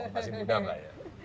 masih muda enggak ya